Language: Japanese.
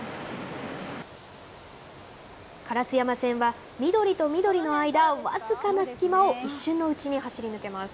烏山線は緑と緑の間、僅かな隙間を一瞬のうちに走り抜けます。